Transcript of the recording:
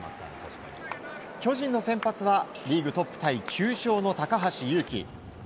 巨人の先発はリーグトップタイ９勝の高橋優貴。